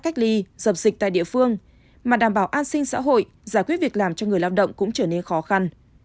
cách ly dập dịch tại địa phương mà đảm bảo an sinh xã hội giải quyết việc làm cho người lao động cũng trở nên khó khăn